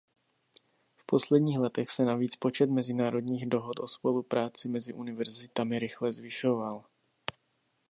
V posledních letech se navíc počet mezinárodních dohod o spolupráci mezi univerzitami rychle zvyšoval.